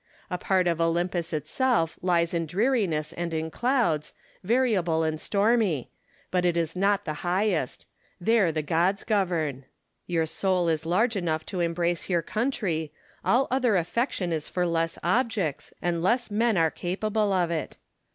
A part of Olympus itself lies in dreariness and in clouds, variable and stormy ; but it is not the liighest : there the gods govern. Your soul is large enough to embrace your country : all other affection is for less objects, and less men are capable of it.